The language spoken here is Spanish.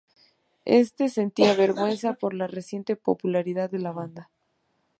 Este sentía vergüenza por la reciente popularidad de la banda.